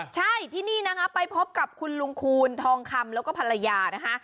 ใช่ที่นี่นะคะไปพบกับคุณลุงคูณทองคำแล้วก็ภรรยานะคะ